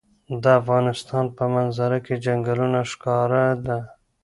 د افغانستان په منظره کې چنګلونه ښکاره ده.